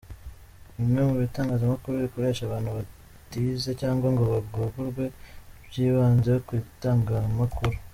Bimwe mu bitangazamakuru bikoresha abantu batize cyangwa ngo bahugurwe by’ibanze ku itangamakuru.